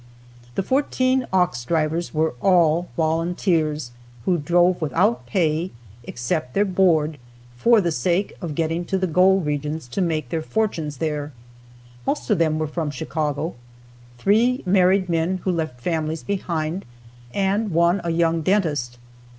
The fourteen ox drivers were all volunteers, who drove without pay except their board for the sake of getting to the gold regions to make their fortunes there. Most of them were from Chicago three married men who left families behind, and one a young dentist.